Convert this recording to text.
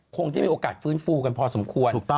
คงจะมีโอกาสฟื้นฟูกันพอสมควร